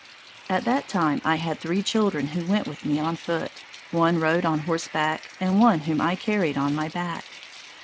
At that time I had three children who went with me on foot, one who rode on horse back, and one whom I carried on my back.